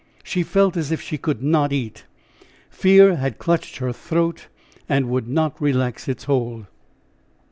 She felt as if she could not eat. Fear had clutched her throat and would not relax its hold.